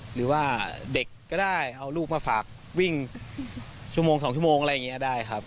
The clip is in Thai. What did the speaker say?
หรือว่าเด็กก็ได้เอาลูกมาฝากวิ่งชั่วโมง๒ชั่วโมงอะไรอย่างนี้ได้ครับ